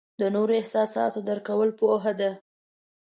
د نورو احساسات درک کول پوهه ده.